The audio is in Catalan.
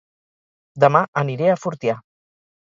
Dema aniré a Fortià